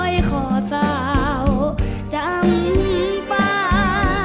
อ้อยขอเศร้าจำป่า